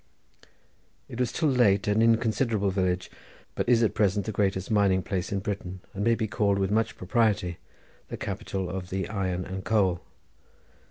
It was till late an inconsiderable village, but is at present the greatest mining place in Britain, and may be called with much propriety the capital of the iron and coal.